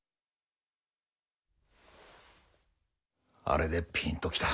あれでピンときた。